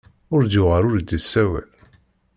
Ur d-yuɣal ur d-isawel.